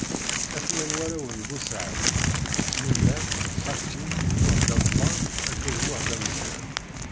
A-ten-an warraw n Bussaɛd: Ḥmidan, Qasi, Muḥdameqṛan akked Muḥdameẓyan.